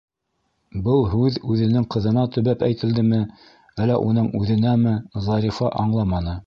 Был һүҙ үҙенең ҡыҙына төбәп әйтелдеме, әллә уның үҙенәме, Зарифа аңламаны.